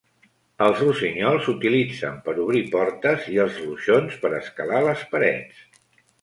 Els rossinyols s'utilitzen per obrir portes i els ruixons per escalar les parets.